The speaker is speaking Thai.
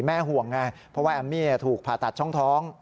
ห่วงไงเพราะว่าแอมมี่ถูกผ่าตัดช่องท้อง